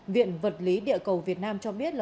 viện vật lý địa cầu việt nam cho biết